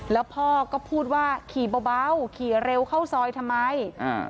แล้วพ่อก็พูดว่าขี่เบาขี่เร็วเข้าซอยทำไมอ่า